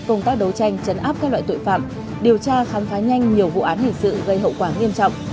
công tác đấu tranh chấn áp các loại tội phạm điều tra khám phá nhanh nhiều vụ án hình sự gây hậu quả nghiêm trọng